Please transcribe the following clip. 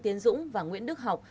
tiến dũng và nguyễn đức học